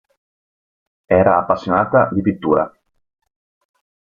Era appassionata di pittura.